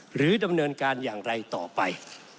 หรือดำเนินการอย่างไรต่อไป